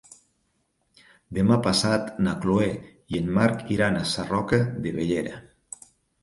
Demà passat na Chloé i en Marc iran a Sarroca de Bellera.